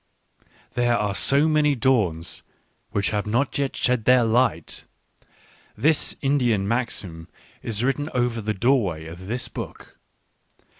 " There are so many dawns which have not yet shed their light" — this Indian maxim is written over the doorway of this book.